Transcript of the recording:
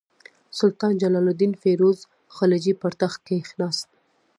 سلطان جلال الدین فیروز خلجي پر تخت کښېناست.